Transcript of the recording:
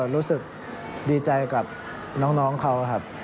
รู้สึกดีใจกับน้องเขาครับ